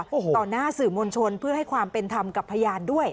โอ้โหต่อหน้าสื่อมวลชนเพื่อให้ความเป็นธรรมกับพยานด้วย